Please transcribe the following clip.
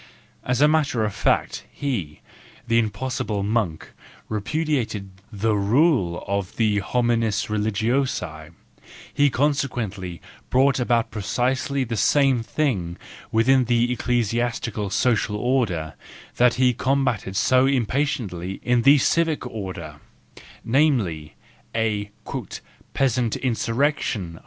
As a matter of fact, he, the impossible monk, repudiated the rule of the homines religiosi; he consequently brought about precisely the same thing within the ecclesiastical social order that he combated so impatiently in the civic order,— namely a "peasant insurrection."